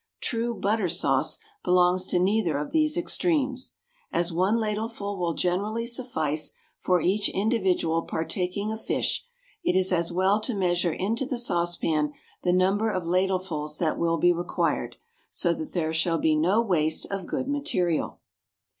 True "butter sauce" belongs to neither of these extremes. As one ladleful will generally suffice for each individual partaking of fish, it is as well to measure into the saucepan the number of ladlefuls that will be required, so that there shall be no waste of good material.